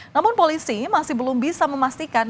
namun polisi masih belum bisa memastikan